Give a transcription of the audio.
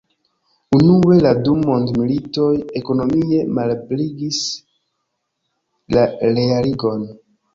Unue la du mondmilitoj ekonomie malebligis la realigon.